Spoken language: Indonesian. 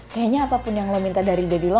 kayaknya apapun yang lo minta dari deddy lo